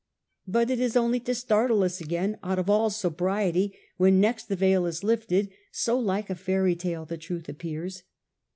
But it is only to startle us again out of all sobriety when next the veil is lifted, so like a fairy tale the truth appears.